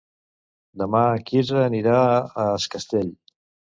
Demà en Quirze anirà a Es Castell.